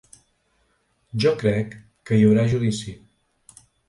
Jo crec que hi haurà judici.